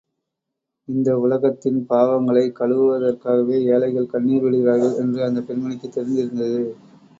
இந்த உலகத்தின் பாவங்களை கழுவுவதற்காகவே ஏழைகள் கண்ணிர் விடுகிறார்கள் என்று அந்தப் பெண்மணிக்கு தெரிந்திருந்தது.